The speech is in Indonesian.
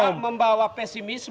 ini pemerintah membawa pesimisme